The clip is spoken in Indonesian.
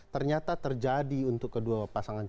ternyata terjadi untuk kedua pasangan